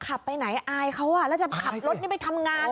ไปไหนอายเขาแล้วจะขับรถนี่ไปทำงาน